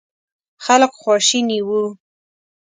خلک خواشيني ول.